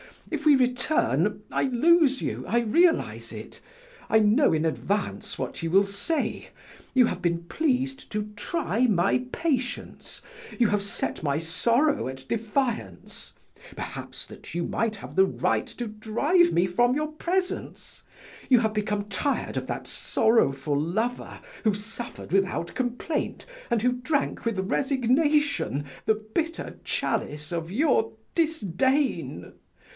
If we return, I lose you, I realize it; I know in advance what you will say. You have been pleased to try my patience, you have set my sorrow at defiance, perhaps that you might have the right to drive me from your presence; you have become tired of that sorrowful lover who suffered without complaint and who drank with resignation the bitter chalice of your disdain!